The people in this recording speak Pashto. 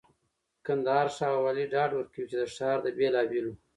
کندهار ښاروالي ډاډ ورکوي چي د ښار د بېلابېلو